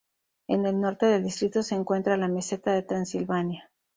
En el norte del distrito se encuentra la Meseta de Transilvania.